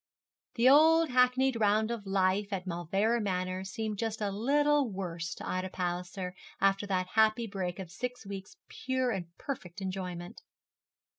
The old hackneyed round of daily life at Mauleverer Manor seemed just a little worse to Ida Palliser after that happy break of six weeks' pure and perfect enjoyment.